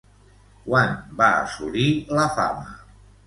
Quan va assolir la fama?